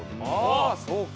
ああそうか。